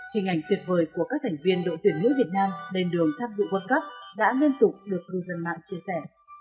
hình ảnh tuyệt vời của các thành viên đội tuyển nước việt nam đền đường tháp dự quân cấp đã liên tục được người dân mạng chia sẻ